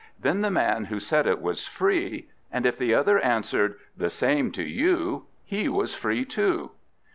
then the man who said it was free; and if the other answered, "The same to you!" he was free too.